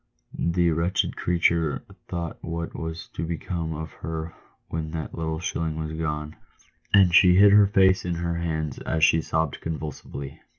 The wretched creature thought what was to become of her when that little shilling was gone, and she hid her face in her hands as she sobbed convulsively.